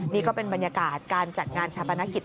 นี่ก็เป็นบรรยากาศการจัดงานชาปนกิจ